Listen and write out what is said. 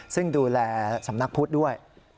ซึ่งดูแลสำนักพุทธด้วย